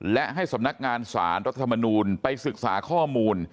และให้สำนักงานสารรัฐธรรมนูลไปศึกษาข้อมูล